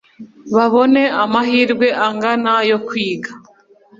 babone amahirwe angana yo kwiga